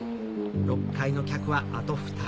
６階の客はあと２人。